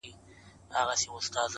چي كرلې يې لمبې پر ګرګينانو!!